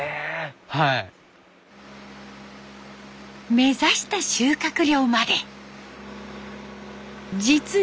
目指した収穫量まで実に９年。